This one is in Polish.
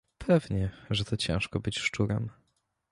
Pewnie, że to ciężko być szczurem!